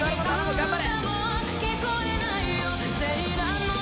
頑張れ！